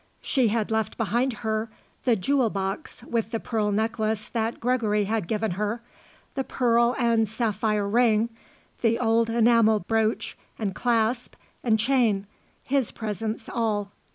She had left behind her the jewel box with the pearl necklace that Gregory had given her, the pearl and sapphire ring, the old enamel brooch and clasp and chain, his presents all.